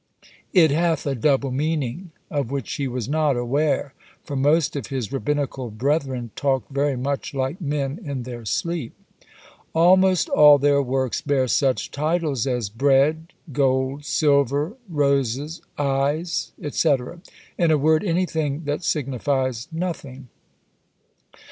It hath a double meaning, of which he was not aware, for most of his rabbinical brethren talk very much like men in their sleep. Almost all their works bear such titles as bread gold silver roses eyes, &c. in a word, anything that signifies nothing.